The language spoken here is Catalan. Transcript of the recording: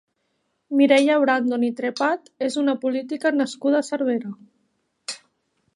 Mireia Brandon i Trepat és una política nascuda a Cervera.